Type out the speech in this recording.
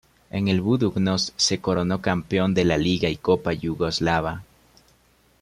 En el Budućnost se coronó campeón de la liga y copa yugoslava.